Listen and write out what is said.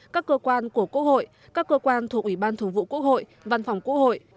các cơ quan của quốc hội các cơ quan thuộc ủy ban thường vụ quốc hội văn phòng quốc hội